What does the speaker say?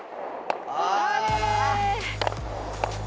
あ！